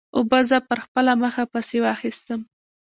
اوبو زه پر خپله مخه پسې واخیستم.